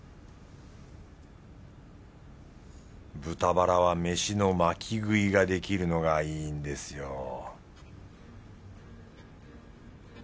豚バラは飯の巻き食いができるのがいいんですよ